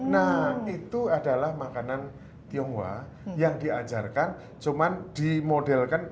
nah itu adalah makanan tionghoa yang diajarkan cuman dimodelkan